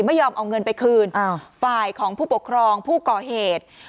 ไม่ยอมเอาเงินไปคืนฝ่ายของผู้ปกครองผู้ก่อเหตุ